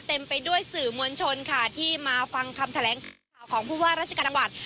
เต็มไปด้วยสื่อมวลชนค่ะที่มาฟังคำแถลงข่าวของผู้ว่าราชการจังหวัด